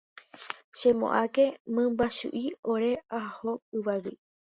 Chemo'ãke mymbachu'i ore'aho'ívagui